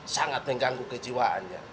sangat mengganggu kejiwaannya